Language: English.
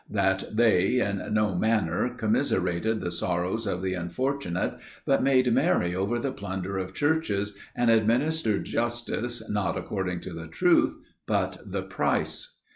That they, in no manner, commiserated the sorrows of the unfortunate; but made merry over the plunder of churches, and administered justice, not according to the truth, but the price.